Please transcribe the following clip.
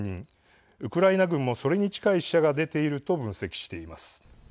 ウクライナ軍もそれに近い死者が出ていると分析しています。